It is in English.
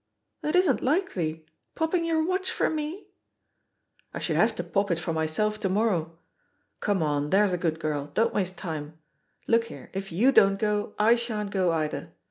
"It isn't likely. Popping your watch for me I" "I should have to pop it for myself to morrow. Come on, there's a good girl, don't waste timel Look here, if you don't go, I shan't go, either.